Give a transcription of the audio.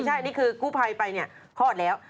ใช่นี่คือกู้ภัยไปเนี่ยคลอดแล้ว